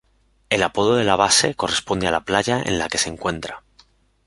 El apodo de la base corresponde a la playa en la que se encuentra.